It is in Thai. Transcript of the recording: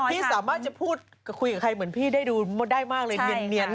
พี่สามารถจะพูดคุยกับใครเหมือนพี่ได้ดูได้มากเลยเนียน